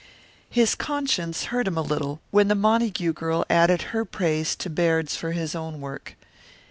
His conscience hurt him a little when the Montague girl added her praise to Baird's for his own work.